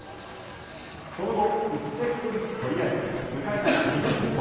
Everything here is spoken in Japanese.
その後、１セットずつ取り合い迎えた第４セット。